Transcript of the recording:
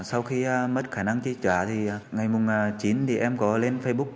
sau khi mất khả năng trị trả thì ngày chín em có lên facebook